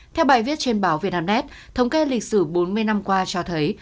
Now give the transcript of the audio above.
theo bài viết trên báo vnet thống kê lịch sử bốn mươi năm qua cho thấy